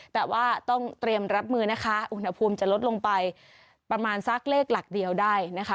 แต่ว่าต้องเตรียมรับมือนะคะอุณหภูมิจะลดลงไปประมาณสักเลขหลักเดียวได้นะคะ